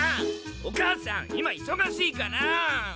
お母さん今いそがしいから！